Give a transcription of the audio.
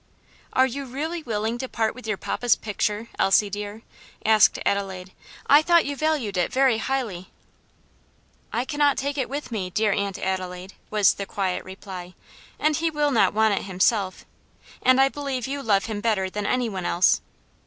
"Are you really willing to part with your papa's picture, Elsie, dear?" asked Adelaide. "I thought you valued it very highly." "I cannot take it with me, dear Aunt Adelaide," was the quiet reply, "and he will not want it himself, and I believe you love him better than any one else.